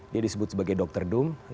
dia disebut sebagai dr dum